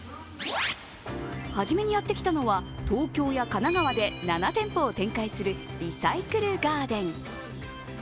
はじめにやってきたのは、東京や神奈川で７店舗を展開するリサイクルガーデン。